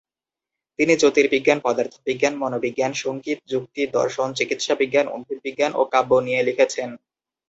তিনি জ্যোতির্বিজ্ঞান, পদার্থবিজ্ঞান, মনোবিজ্ঞান, সঙ্গীত, যুক্তি, দর্শন, চিকিৎসাবিজ্ঞান, উদ্ভিদবিজ্ঞান, ও কাব্য নিয়ে লিখেছেন।